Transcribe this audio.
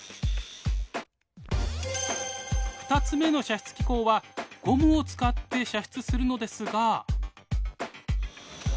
２つ目の射出機構はゴムを使って射出するのですが。